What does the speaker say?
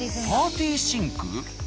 パーティーシンク？